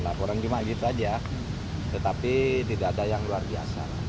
laporan jumat gitu saja tetapi tidak ada yang luar biasa